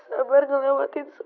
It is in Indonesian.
saya ingin menemani anda